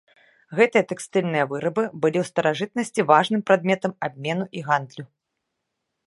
Гэтыя тэкстыльныя вырабы былі ў старажытнасці важным прадметам абмену і гандлю.